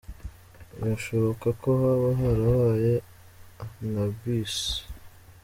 Birashoboka ko haba harabaye un abus.